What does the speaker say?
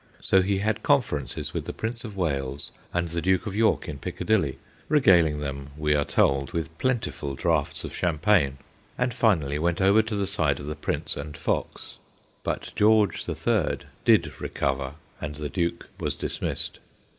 So he had conferences with the Prince of Wales and the Duke of York in Piccadilly, regaling them, we are told, with ' plentiful draughts of champagne/ and finally went over to the side of the Prince and Fox. But George the Third did recover, and the Duke was dismissed.